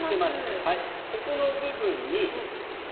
ここの部分に。